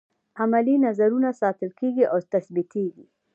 عملي نظرونه ساتل کیږي او ثبتیږي.